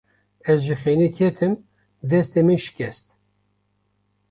Ez ji xênî ketim, destê min şikest.